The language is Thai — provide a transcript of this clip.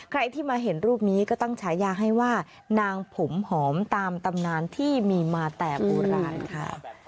ใครที่มาเห็นรูปนี้ก็ตั้งฉายาให้ว่านางผมหอมตามตำนานที่มีมาแต่โบราณค่ะ